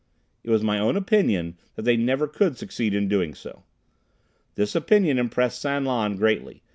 It was my own opinion that they never could succeed in doing so. This opinion impressed San Lan greatly.